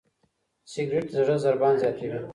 سګریټ د زړه ضربان زیاتوي.